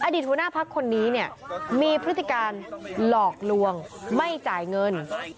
หัวหน้าพักคนนี้เนี่ยมีพฤติการหลอกลวงไม่จ่ายเงิน